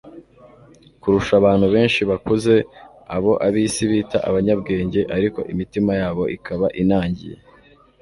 kurusha abantu benshi bakuze, abo ab'isi bita abanyabwenge ariko imitima yabo ikaba inangiye.